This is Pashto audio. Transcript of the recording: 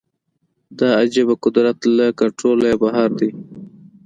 دا عجیبه قدرت له کنټروله یې بهر دی